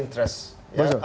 kita akan bicara mengenai media